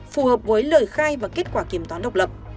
phù hợp với lời khai và kết quả kiểm toán độc lập